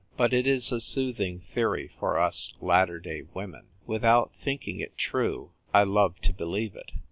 But it is a soothing theory for us latter day women. Without thinking it true, I love to believe it.